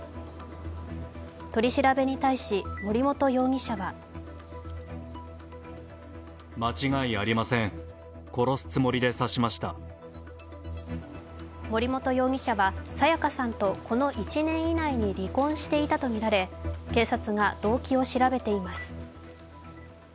取り調べに対し森本容疑者は森本容疑者は、彩加さんとこの１年以内に離婚していたと見られ、警察が動機を調べています。